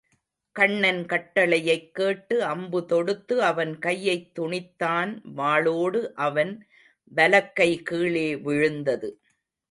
கண்ணன் கட்டளையைக் கேட்டு அம்பு தொடுத்து அவன் கையைத் துணித்தான் வாளோடு அவன் வலக்கை கீழே விழுந்தது.